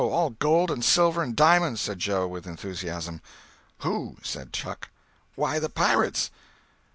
All gold and silver and di'monds," said Joe, with enthusiasm. "Who?" said Huck. "Why, the pirates."